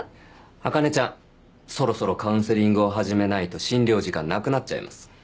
茜ちゃんそろそろカウンセリングを始めないと診療時間なくなっちゃいます